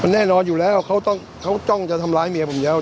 แน่นอนอยู่แล้วเขาจ้องจะทำร้ายเมียผมแล้ว